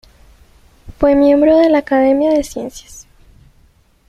Fue miembro de la Academia de Ciencias.